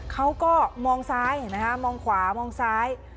เขาก็มองซ้ายมองขวามองซ้าย